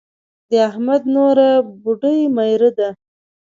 د احمد نوره بېډۍ ميره ده.